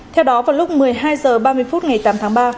theo đó vào lúc một mươi hai h ba mươi phút ngày tám tháng ba